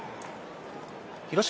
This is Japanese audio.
広島